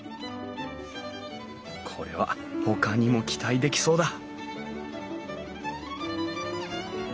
これはほかにも期待できそうだ！